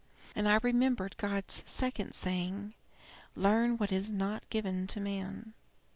And I remembered God's second saying, 'Learn what is not given to man.'